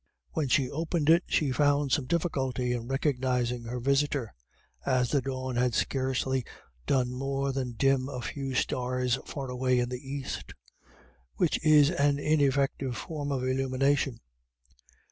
When she opened it she found some difficulty in recognising her visitor, as the dawn had scarcely done more than dim a few stars far away in the east, which is an ineffective form of illumination.